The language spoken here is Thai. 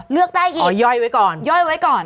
เลือกได้อีกอ๋อย่อยไว้ก่อนย่อยไว้ก่อน